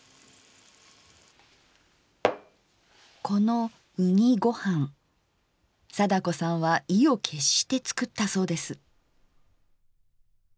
このうにごはん貞子さんは意を決して作ったそうです。